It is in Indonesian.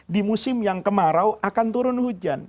di musim yang kemarau akan turun hujan